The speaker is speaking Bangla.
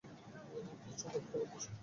কী চমকপ্রদ বিষয়!